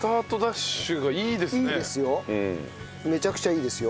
めちゃくちゃいいですよ。